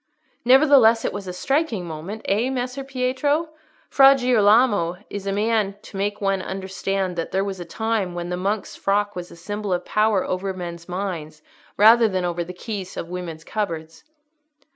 "Nevertheless it was a striking moment, eh, Messer Pietro? Fra Girolamo is a man to make one understand that there was a time when the monk's frock was a symbol of power over men's minds rather than over the keys of women's cupboards."